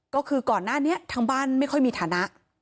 ก็คือก่อนหน้านี้ทางบ้านไม่ค่อยมีฐานะ